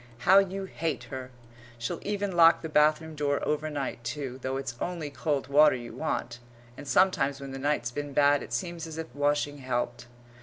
How you hate her! She'll even lock the bathroom door overnight, too, though it's only cold water you want, and sometimes when the night's been bad it seems as if washing helped.